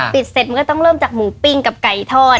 เสร็จมันก็ต้องเริ่มจากหมูปิ้งกับไก่ทอด